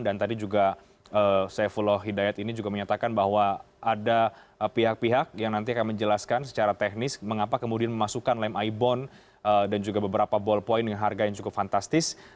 dan tadi juga saifulah hidayat ini juga menyatakan bahwa ada pihak pihak yang nanti akan menjelaskan secara teknis mengapa kemudian memasukkan lem ibon dan juga beberapa ballpoint dengan harga yang cukup fantastis